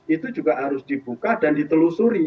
itu juga harus dibuka dan ditelusuri